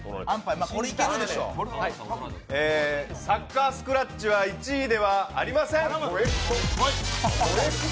サッカースクラッチは１位ではありません。